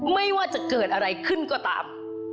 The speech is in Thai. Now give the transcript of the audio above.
ไม่ว่าจะเกิดอะไรขึ้นก็ตาม